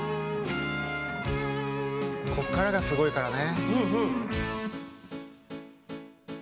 こっからがすごいからね。